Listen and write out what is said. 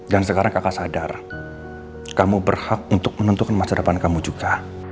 dan sekarang kakak sadar kamu berhak untuk menentukan masa depan kamu juga